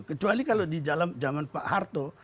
kecuali kalau di jaman pak harto